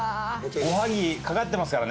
おはぎかかってますからね。